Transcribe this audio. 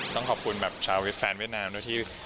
ต้องขอบคุณแบบชาวแฟนเวียดนามด้วยที่